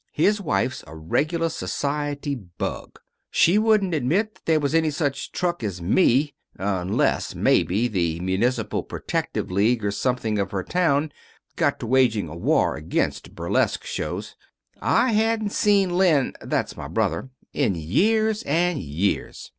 His wife's a regular society bug. She wouldn't admit that there was any such truck as me, unless, maybe, the Municipal Protective League, or something, of her town, got to waging a war against burlesque shows. I hadn't seen Len that's my brother in years and years.